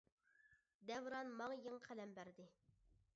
دەۋران ماڭا يېڭى قەلەم بەردى.